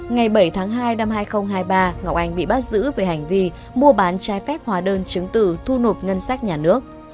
ngày bảy tháng hai năm hai nghìn hai mươi ba ngọc anh bị bắt giữ về hành vi mua bán trái phép hóa đơn chứng từ thu nộp ngân sách nhà nước